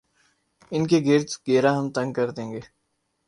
ان کے گرد گھیرا ہم تنگ کر دیں گے۔